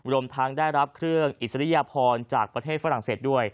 รวมทั้งได้รับเครื่องอิสริยพรจากประเทศฝรั่งเศสด้วย